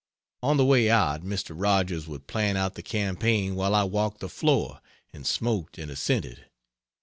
On the way out Mr. Rogers would plan out the campaign while I walked the floor and smoked and assented.